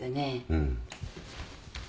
うん。